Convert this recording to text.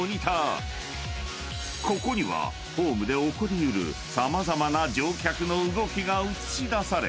［ここにはホームで起こり得る様々な乗客の動きが映し出され］